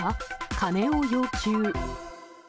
金を要求。